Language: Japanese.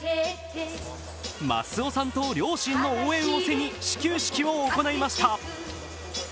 マスオさんと両親の応援を背に始球式を行いました。